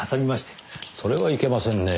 それはいけませんね。